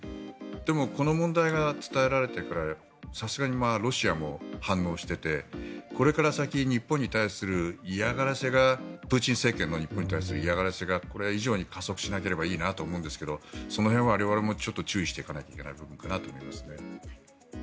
でもこの問題が伝えられてからさすがにロシアも反応しててこれから先日本に対する嫌がらせがプーチン政権の日本に対する嫌がらせがこれ以上に加速しなければいいなと思うんですがその辺は我々も注意していかないといけない部分かなと思いますね。